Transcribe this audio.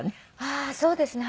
ああーそうですね。